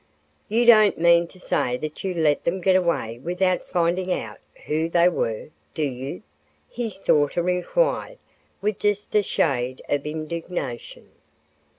"You don't mean to say that you let them get away without finding out who they were, do you?" his daughter inquired with just a shade of indignation.